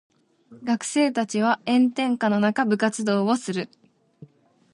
学生たちは炎天下の中部活動をする。